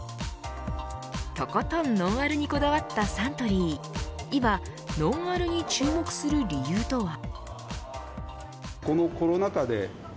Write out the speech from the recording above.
とことんノンアルにこだわったサントリー今ノンアルに注目する理由とは。